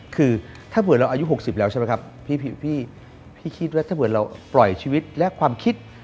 คือถ้าเผื่อเราอายุ๖๐แล้วใช่ไหมครับพี่พี่คิดว่าถ้าเผื่อเราปล่อยชีวิตและความคิด